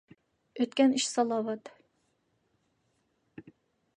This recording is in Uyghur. ئۆتكەن ئىش سالاۋات.